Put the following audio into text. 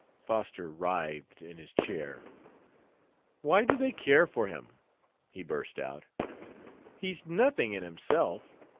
Foster writhed in his chair. "Why do they care for him?" he burst out. "He's nothing in himself.